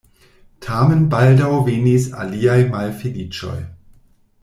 Tamen baldaŭ venis aliaj malfeliĉoj.